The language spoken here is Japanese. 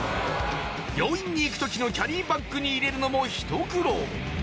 病院に行く時のキャリーバッグに入れるのもひと苦労